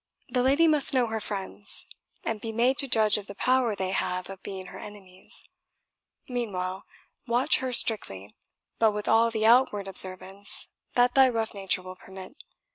The lady must know her friends, and be made to judge of the power they have of being her enemies; meanwhile, watch her strictly, but with all the outward observance that thy rough nature will permit.